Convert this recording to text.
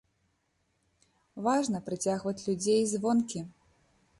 Важна прыцягваць людзей звонкі.